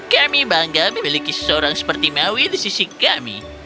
kami bangga memiliki seseorang seperti maui di sisi kami